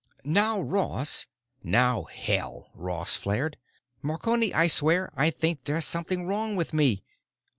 "Now, Ross——" "Now, hell!" Ross flared. "Marconi, I swear I think there's something wrong with me!